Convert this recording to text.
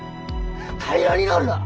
平らになるだ？